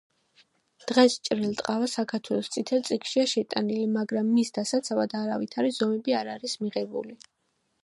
დღეს ჭრელტყავა საქართველოს წითელ წიგნშია შეტანილი, მაგრამ მის დასაცავად არავითარი ზომები არ არის მიღებული.